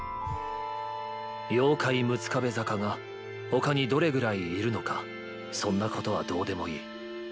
「妖怪六壁坂」が他にどれぐらいいるのかそんなことはどうでもいい。